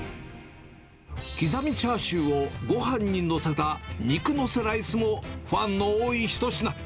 刻みチャーシューをごはんに載せた肉のせライスもファンの多い一品。